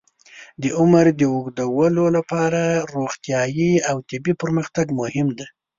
د عمر د اوږدولو لپاره روغتیايي او طبي پرمختګ مهم دی.